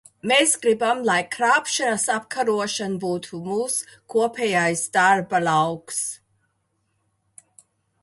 Mēs gribam, lai krāpšanas apkarošana būtu mūsu kopējais darba lauks.